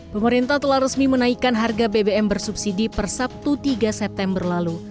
pemerintah telah resmi menaikkan harga bbm bersubsidi per sabtu tiga september lalu